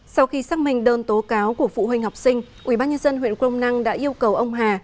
sau khi xác minh đơn tố cáo của phụ huynh học sinh ubnd huyện crong năng đã yêu cầu ông hà